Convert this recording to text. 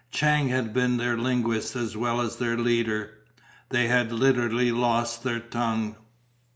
Chang had been their linguist as well as their leader. They had literally lost their tongue.